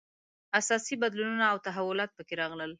اساسي بدلونونه او تحولات په کې راغلل.